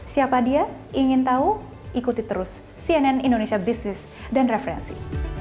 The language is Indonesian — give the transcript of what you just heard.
siapa dia ingin tahu ikuti terus cnn indonesia business dan referensi